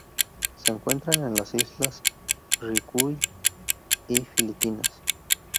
Se encuentran en las Islas Ryukyu y Filipinas.